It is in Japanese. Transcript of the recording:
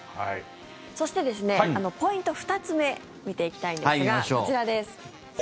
そして、ポイント２つ目見ていきたいんですがこちらです。